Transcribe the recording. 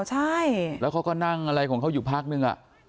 ใช่แล้วเขาก็นั่งอะไรของเขาอยู่พักนึง